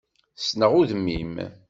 Ssneɣ udem-im.